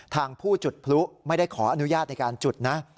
ทางผู้จุดพลุไม่ได้ขออนุญาตในการจุดนะ